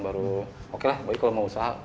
baru oke lah kalau mau usaha silahkan usaha gitu